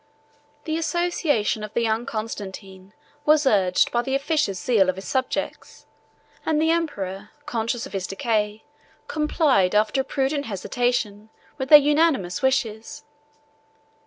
The association of the young Constantine was urged by the officious zeal of his subjects; and the emperor, conscious of his decay, complied, after a prudent hesitation, with their unanimous wishes.